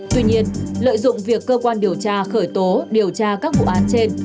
tuy nhiên lợi dụng việc cơ quan điều tra khởi tố điều tra các vụ án trên